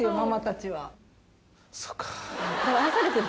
そうか。